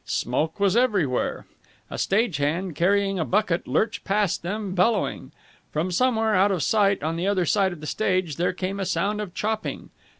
Smoke was everywhere. A stage hand, carrying a bucket, lurched past them, bellowing. From somewhere out of sight on the other side of the stage there came a sound of chopping.